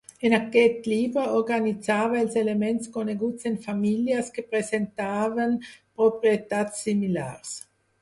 En aquest llibre organitzava els elements coneguts en famílies que presentaven propietats similars.